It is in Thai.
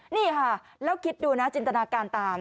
นี่ค่ะแล้วคิดดูนะจินตนาการตาม